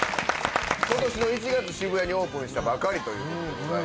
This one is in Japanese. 今年の１月渋谷にオープンしたばかりということです。